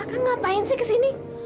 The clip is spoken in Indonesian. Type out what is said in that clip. akang ngapain sih kesini